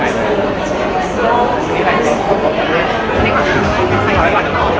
ให้ก่อนหน่อย